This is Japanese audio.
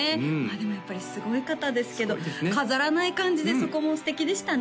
でもやっぱりすごい方ですけど飾らない感じでそこも素敵でしたね